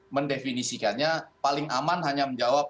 mendefinisikannya paling aman hanya menjawab